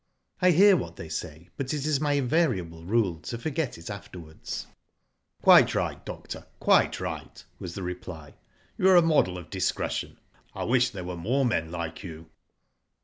I hear what they say, but it is my invariable rule to forget it afterwards.'* Quite right, doctor ; quite right," was the reply. ^^You are a model of discretion. I wish there were more men like you."